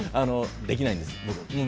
できないんです、僕。